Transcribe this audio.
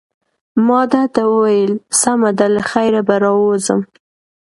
ما ده ته وویل: سمه ده، له خیره به راووځم.